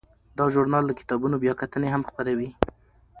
دا ژورنال د کتابونو بیاکتنې هم خپروي.